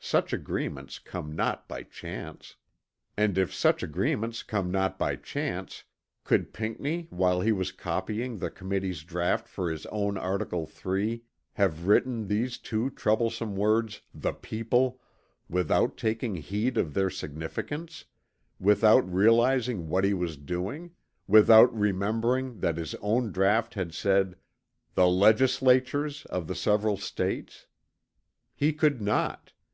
Such agreements come not by chance. And if such agreements come not by chance, could Pinckney while he was copying the committee's draught for his own article 3 have written these two troublesome words "the people" without taking heed of their significance, without realizing what he was doing, without remembering that his own draught had said "the legislatures of the several States." He could not!